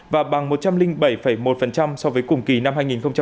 và bằng một trăm linh bảy một so với cùng kỳ năm hai nghìn hai mươi